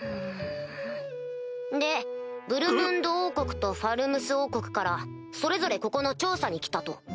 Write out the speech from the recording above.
でブルムンド王国とファルムス王国からそれぞれここの調査に来たと。